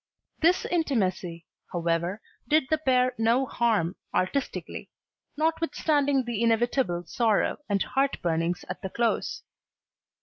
This intimacy, however, did the pair no harm artistically, notwithstanding the inevitable sorrow and heart burnings at the close.